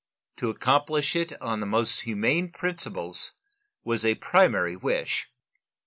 To accomplish it on the most humane principles was a primary wish.